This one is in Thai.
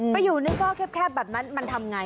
ถ้าอยู่นะซอกแคบแบบนั้นมันทำไงอ่ะ